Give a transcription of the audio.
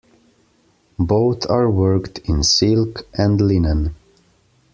Both are worked in silk and linen.